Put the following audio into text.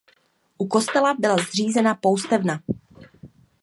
U kostela byla zřízena poustevna.